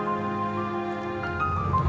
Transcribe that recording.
sebentar aja ya sayang ya